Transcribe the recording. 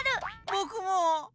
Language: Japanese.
ぼくも。